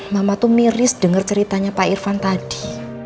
mama tuh miris dengar ceritanya pak irfan tadi